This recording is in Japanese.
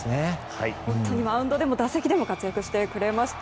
マウンドでも打席でも活躍してくれました。